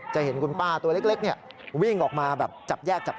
จะเห็นคุณป้าตัวเล็กวิ่งออกมาแบบจับแยกจับ